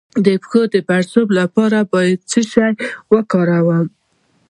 د پښو د پړسوب لپاره باید څه شی وکاروم؟